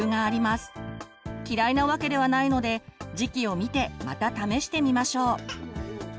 嫌いなわけではないので時期を見てまた試してみましょう。